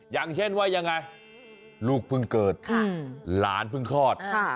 อย่างเช่นว่ายังไงลูกเพิ่งเกิดหลานเพิ่งคลอด